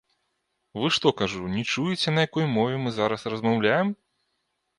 Вы што, кажу, не чуеце, на якой мове мы зараз размаўляем?